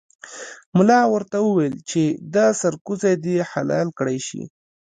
ملا ورته وویل چې دا سرکوزی دې حلال کړای شي.